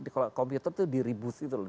kalau komputer itu di reboot gitu loh